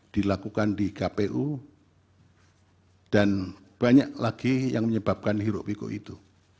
dilakukan di kpu dan banyak lagi yang menyebabkan hiruk pikuk itu